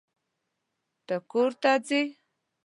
ته کور ته ځې.